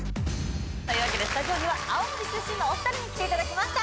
「というわけでスタジオには青森出身のお二人に来ていただきました」